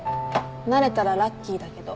なれたらラッキーだけど。